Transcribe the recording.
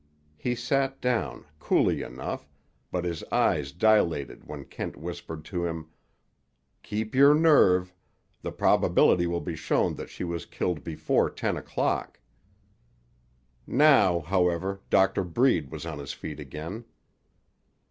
He sat down, coolly enough; but his eyes dilated when Kent whispered to him: "Keep your nerve. The probability will be shown that she was killed before ten o'clock." Now, however, Doctor Breed was on his feet again.